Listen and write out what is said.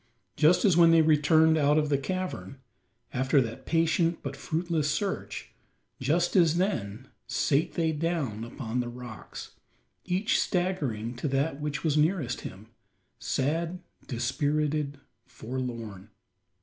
Just as when they returned out of the cavern after that patient but fruitless search just as then, sate they down upon the rocks each staggering to that which was nearest him sad, dispirited, forlorn.